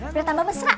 udah tambah besra